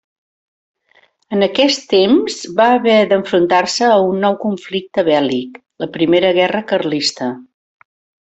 En aquest temps va haver d'enfrontar-se a un nou conflicte bèl·lic, la Primera Guerra Carlista.